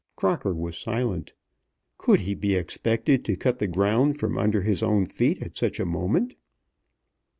Crocker was silent. Could he be expected to cut the ground from under his own feet at such a moment?